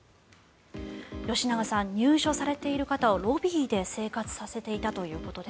吉永さん、入所されている方をロビーで生活させていたということです。